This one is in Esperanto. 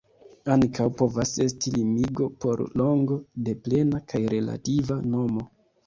Ankaŭ povas esti limigo por longo de plena kaj relativa nomo.